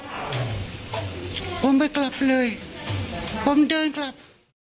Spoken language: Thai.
ันนี้ผมไม่กลับเลยผมเดินกลับ